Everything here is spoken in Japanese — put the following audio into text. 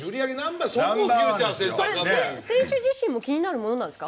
選手自身も気になるものなんですか？